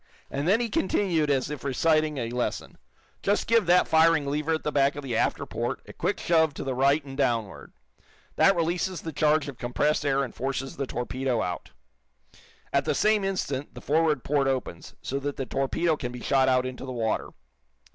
And then he continued as if reciting a lesson: "Just give that firing lever at the back of the after port a quick shove to the right and downward. That releases the charge of compressed air and forces the torpedo out. At the same instant the forward port opens, so that the torpedo can be shot out into the water.